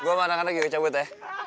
gue sama anak anak gue cabut ya